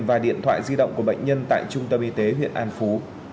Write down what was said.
và điện thoại di động của bệnh nhân tại trung tâm y tế huyện an phú